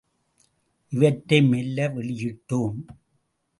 இவற்றை மெல்ல வெளியிட்டோம்.